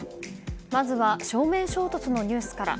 まずは正面衝突のニュースから。